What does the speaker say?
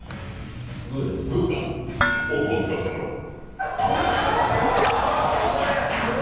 オープンを使わせてもらおう。